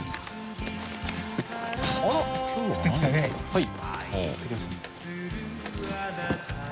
はい。